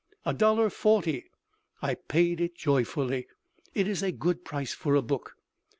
"A dollar forty." I paid it joyfully. It is a good price for a book.